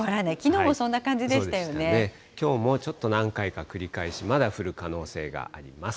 きょうもちょっと何回か繰り返し、まだ降る可能性があります。